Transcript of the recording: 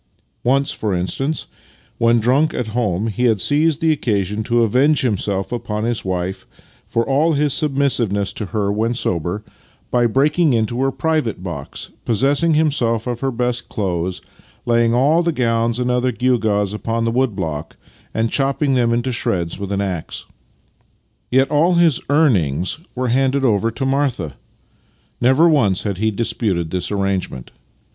Once, for instance, when drunk at home he had seized the occasion to avenge himself upon his wife for all his submissiveness to her when Master and Man 3 sober by breaking into her private box, possessing himself of her best clothes, laying all the gowns and other gewgaws upon the wood block, and chop ping them into shreds with an axe. Yet all his earnings were handed over to Martha. Never once had he disputed this arrangement.